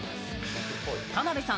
田辺さん